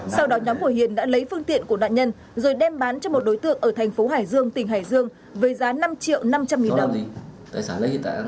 sau đó nhóm của hiền đã lấy phương tiện của nạn nhân rồi đem bán cho một đối tượng ở thành phố hải dương tỉnh hải dương với giá năm triệu năm trăm linh nghìn đồng